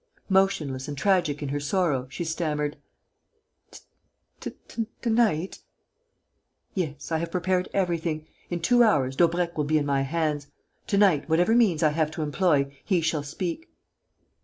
Motionless and tragic in her sorrow, she stammered: "To night?" "Yes. I have prepared everything. In two hours, Daubrecq will be in my hands. To night, whatever means I have to employ, he shall speak."